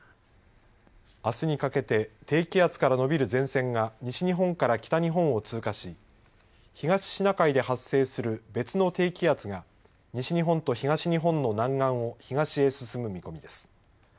あすにかけて低気圧から延びる前線が西日本から北日本を通過し東シナ海で発生する別の低気圧が西日本と東日本の南岸を東へ進む見込みです。